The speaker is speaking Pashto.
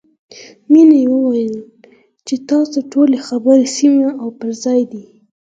مینې وویل چې ستا ټولې خبرې سمې او پر ځای دي